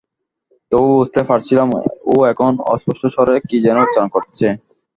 তবুও বুঝতে পারছিলাম, ও এখন অস্পষ্ট স্বরে কী যেন উচ্চারণ করছে।